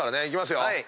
いきますよ。